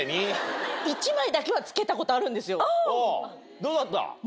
どうだった？